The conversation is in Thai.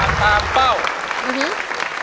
เป็นการตัดสินใจที่รอบครอบ